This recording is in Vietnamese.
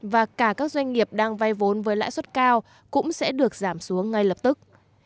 và cả các doanh nghiệp đang vay vốn với lãi suất cao cũng sẽ được giảm xuống ngay lập tức